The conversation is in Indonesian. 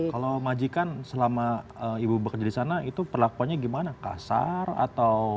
kalau majikan selama ibu bekerja di sana itu perlakuannya gimana kasar atau